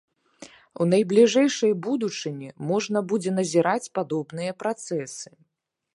У найбліжэйшай будучыні можна будзе назіраць падобныя працэсы.